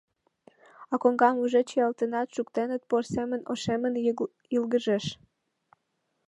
А коҥгам уже чиялтенат шуктеныт — пор семын ошемын йылгыжеш.